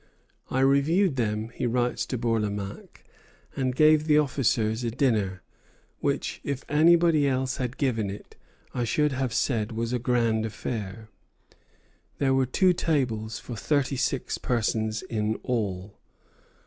"I reviewed them," he writes to Bourlamaque, "and gave the officers a dinner, which, if anybody else had given it, I should have said was a grand affair. There were two tables, for thirty six persons in all.